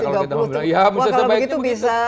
kalau begitu bisa